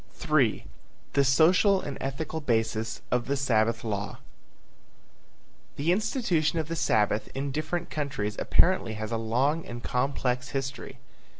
III. THE SOCIAL AND ETHICAL BASIS OF THE SABBATH LAW. The institution of the Sabbath in different countries apparently has a long and complex history.